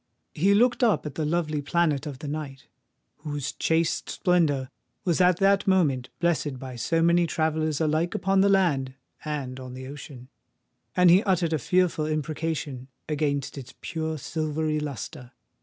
He looked up at the lovely planet of the night, whose chaste splendour was at that moment blessed by so many travellers alike upon the land and on the ocean; and he uttered a fearful imprecation against its pure silvery lustre.